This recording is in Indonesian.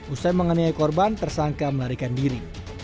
usai menganiaya korban tersangka melarikan diri